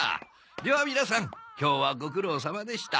では皆さん今日はご苦労さまでした。